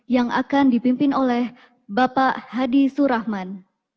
yang akan dipimpin oleh bapak hadi surahman